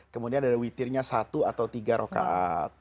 kemudian ada witirnya satu atau tiga rokaat